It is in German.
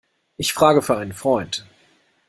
Ich frage für einen Freund.